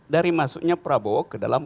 dari masuknya prabowo ke dalam